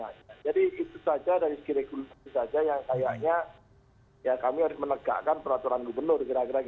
jadi itu saja dari segi regulasi saja yang kayaknya kami harus menegakkan peraturan gubernur